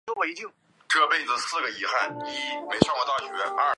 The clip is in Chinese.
精彩且钜细靡遗的分享